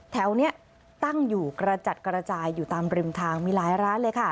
แถวนี้ตั้งอยู่กระจัดกระจายอยู่ตามริมทางมีหลายร้านเลยค่ะ